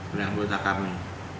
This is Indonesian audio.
dari anggota kami